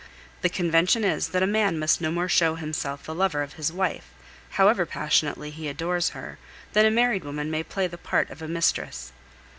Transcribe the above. The convention is that a man must no more show himself the lover of his wife, however passionately he adores her, than a married woman may play the part of a mistress.